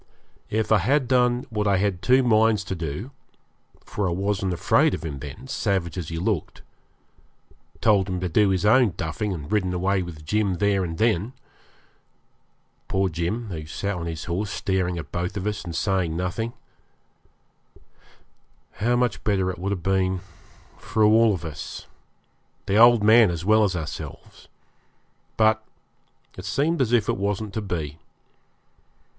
If I had done what I had two minds to do for I wasn't afraid of him then, savage as he looked told him to do his own duffing and ridden away with Jim there and then poor Jim, who sat on his horse staring at both of us, and saying nothing how much better it would have been for all of us, the old man as well as ourselves; but it seemed as if it wasn't to be.